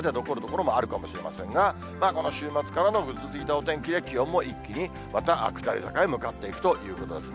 月曜日は雨の所もあるかもしれませんが、この週末からのぐずついたお天気で、気温も一気にまた下り坂へ向かっていくということですね。